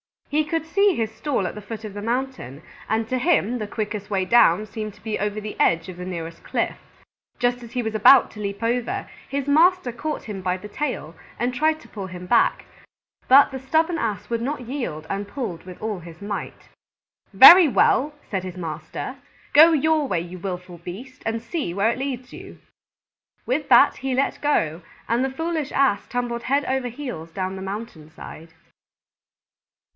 He could see his stall at the foot of the mountain, and to him the quickest way down seemed to be over the edge of the nearest cliff. Just as he was about to leap over, his master caught him by the tail and tried to pull him back, but the stubborn Ass would not yield and pulled with all his might. "Very well," said his master, "go your way, you willful beast, and see where it leads you." With that he let go, and the foolish Ass tumbled head over heels down the mountain side.